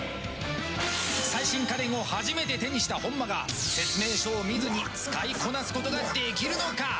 最新家電を初めて手にした本間が説明書を見ずに使いこなすことができるのか。